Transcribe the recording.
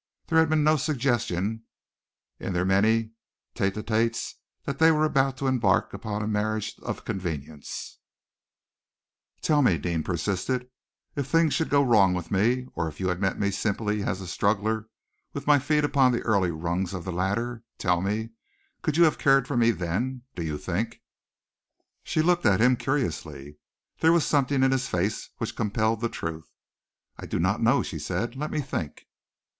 There had been no suggestion in their many tête à têtes that they were about to embark upon a mariage de convenance. "Tell me," Deane persisted, "if things should go wrong with me, or if you had met me simply as a struggler, with my feet upon the early rungs of the ladder, tell me, could you have cared then, do you think?" She looked at him curiously. There was something in his face which compelled the truth. "I do not know," she said. "Let me think."